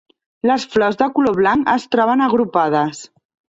Les flors, de color blanc, es troben agrupades.